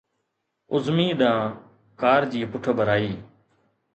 عظمي ڏانهن ڪار جي پٺڀرائي